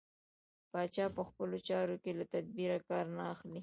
پاچا په خپلو چارو کې له تدبېره کار نه اخلي.